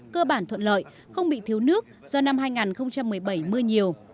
cơ bản thuận lợi không bị thiếu nước do năm hai nghìn một mươi bảy mưa nhiều